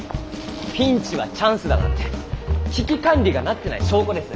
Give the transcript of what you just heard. ピンチはチャンスだなんて危機管理がなってない証拠です。